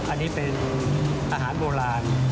อันนี้เป็นอาหารโบราณ